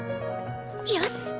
よし！